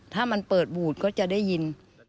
ถ้ามันเปิดบูดก็จะได้ยิน